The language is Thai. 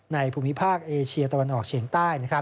ภูมิภาคเอเชียตะวันออกเฉียงใต้